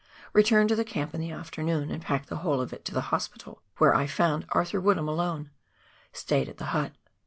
Returned to camp in the afternoon, and packed the whole of it to the " Hospital," where I found Arthur Woodham alone. Stayed at the hut.